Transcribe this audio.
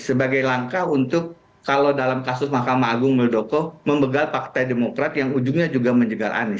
sebagai langkah untuk kalau dalam kasus mahkamah agung muldoko membegal partai demokrat yang ujungnya juga menjegal anies